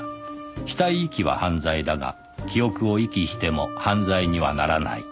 死体遺棄は犯罪だが記憶を遺棄しても犯罪にはならない